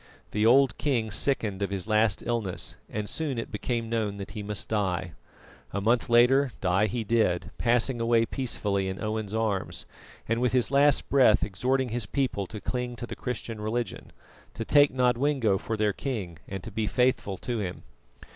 The old king sickened of his last illness, and soon it became known that he must die. A month later die he did, passing away peacefully in Owen's arms, and with his last breath exhorting his people to cling to the Christian religion; to take Nodwengo for their king and to be faithful to him.